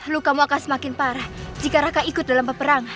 lukamu akan semakin parah jika raka ikut dalam peperang